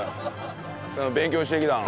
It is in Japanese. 勉強してきたの？